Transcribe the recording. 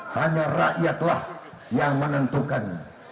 hanya rakyatlah yang menentukan